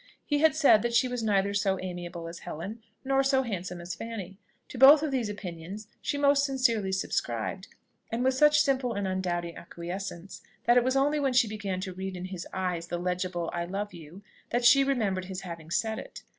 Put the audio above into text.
He had said, that she was neither so amiable as Helen, nor so handsome as Fanny. To both of these opinions she most sincerely subscribed, and with such simple and undoubting acquiescence, that it was only when she began to read in his eyes the legible "I love you," that she remembered his having said it.